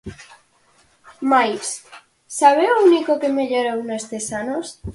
Mais, ¿sabe o único que mellorou nestes anos?